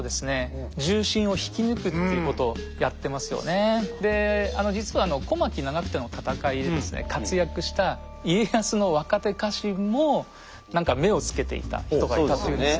あとはそので実は小牧・長久手の戦いで活躍した家康の若手家臣も何か目を付けていた人がいたというんですが。